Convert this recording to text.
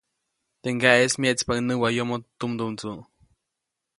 Teʼ ŋgaʼeʼis myeʼtspaʼuŋ näwayomoʼ tumdumndsuʼ.